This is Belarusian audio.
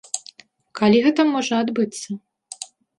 Калі гэта можа адбыцца?